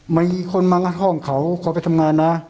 มีคนมางัดห้องเขาเขาไปทำงานนะ